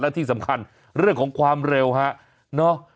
และที่สำคัญเรื่องของความเร็วฮะเนาะ